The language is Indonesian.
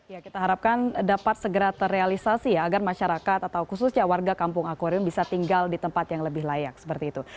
ya kita harapkan dapat segera terrealisasi ya agar masyarakat atau khususnya warga kampung akwarium bisa tinggal di tempat yang lebih layak seperti itu